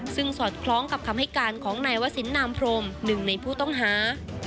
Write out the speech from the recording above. ซึ่งสอดคล้องกับคำให้การของนายวสินนามพรมหนึ่งในผู้ต้องหา